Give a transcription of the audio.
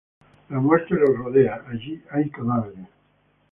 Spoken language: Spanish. La muerte los rodea, allí hay cadáveres.